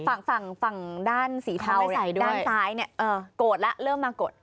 บางส่างด้านสีเฉาเนี่ยด้านซ้ายเนี่ยโกรธละเริ่มมาโกรธ